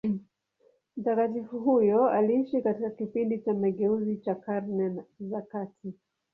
Mtakatifu huyo aliishi katika kipindi cha mageuzi cha Karne za kati.